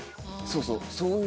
そうそう。